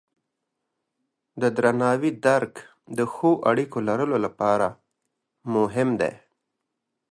د درناوي درک د ښو اړیکو لرلو لپاره مهم دی.